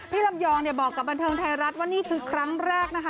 ลำยองเนี่ยบอกกับบันเทิงไทยรัฐว่านี่คือครั้งแรกนะคะ